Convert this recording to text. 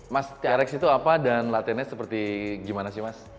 mas trx itu apa dan latihannya seperti gimana sih mas